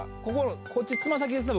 こっち爪先ですね